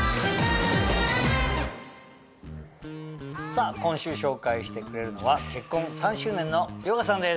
さぁ今週紹介してくれるのは結婚３周年の遼河さんです。